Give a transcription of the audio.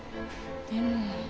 でも。